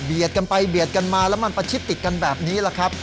กันไปเบียดกันมาแล้วมันประชิดติดกันแบบนี้แหละครับ